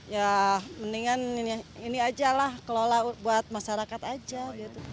ya mendingan ini aja lah kelola buat masyarakat aja gitu